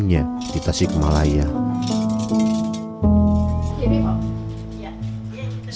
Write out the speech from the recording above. dan kemampuan anak anak di jakarta